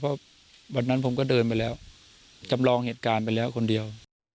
เพราะวันนั้นผมก็เดินไปแล้วจำลองเหตุการณ์ไปแล้วคนเดียว